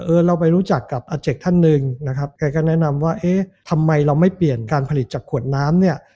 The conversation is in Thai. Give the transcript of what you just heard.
เราไปรู้จักกับอาเจกท่านหนึ่งนะครับแกก็แนะนำว่าเอ๊ะทำไมเราไม่เปลี่ยนการผลิตจากขวดน้ำเนี่ย